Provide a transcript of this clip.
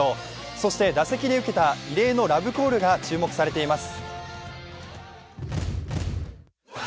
そして、打席で受けた異例のラブコールが注目されています。